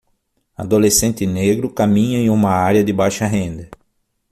Adolescente negro caminha em uma área de baixa renda.